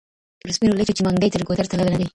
پر سپینو لېچو چي منګی تر ګودر تللی نه دی